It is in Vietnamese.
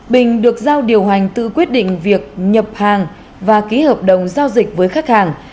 bình được giao điều hành tự quyết định việc nhập hàng và ký hợp đồng giao dịch với khách hàng